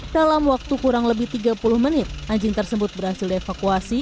dalam waktu kurang lebih tiga puluh menit anjing tersebut berhasil dievakuasi